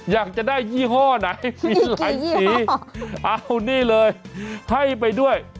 อยากจะได้ยี่ห้อไหนมีหลายสีเอานี่เลยให้ไปด้วย